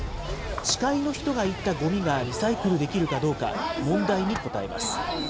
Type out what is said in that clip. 司会の人が言ったごみはリサイクルできるかどうか、問題に答えます。